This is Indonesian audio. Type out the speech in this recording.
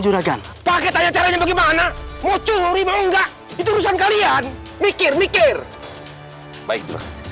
juragan pakai tanya caranya bagaimana mau curi mau enggak itu urusan kalian mikir mikir baik